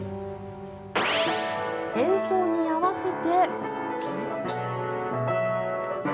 演奏に合わせて。